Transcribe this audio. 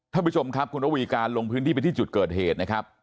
ท่านผู้ชมครับคุณระวีการลงพื้นที่ไปที่จุดเกิดเหตุนะครับ